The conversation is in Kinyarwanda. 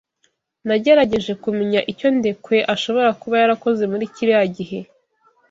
Nagerageje kumenya icyo Ndekwe ashobora kuba yarakoze muri kiriya gihe.